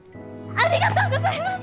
ありがとうございます！